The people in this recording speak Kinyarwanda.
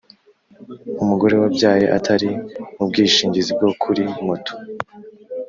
Umugore wabyaye atari mu bwishingizi bwo kuri moto